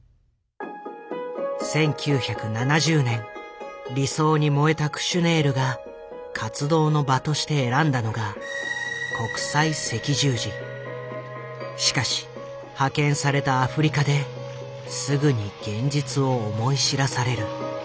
１９７０年理想に燃えたクシュネールが活動の場として選んだのがしかし派遣されたアフリカですぐに現実を思い知らされる。